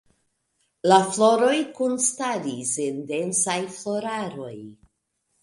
La floroj kunstaris en densaj floraroj.